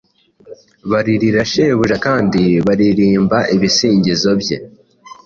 Baririra shebujakandi baririmba ibisingizo bye